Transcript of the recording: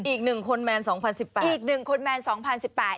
อีกหนึ่งคนแมนสองพันสิบแปดอีกหนึ่งคนแมนสองพันสิบแปด